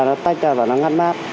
nó tách ra và nó ngắt mát